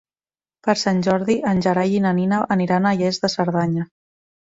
Per Sant Jordi en Gerai i na Nina aniran a Lles de Cerdanya.